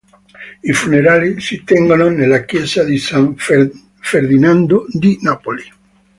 I funerali si tengono nella Chiesa di San Ferdinando di Napoli.